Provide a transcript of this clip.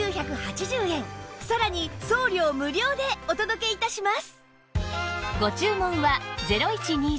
さらに送料無料でお届け致します